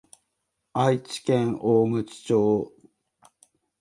愛知県大口町